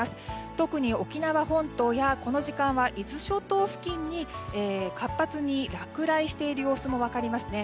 特に沖縄本島やこの時間は、伊豆諸島付近に活発に落雷している様子も分かりますね。